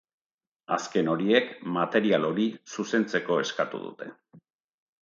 Azken horiek material hori zuzentzeko eskatu dute.